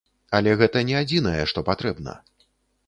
Але гэта не адзінае, што патрэбна.